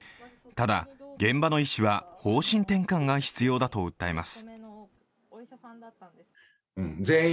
ただ、現場の医師は方針転換が必要だと訴えます。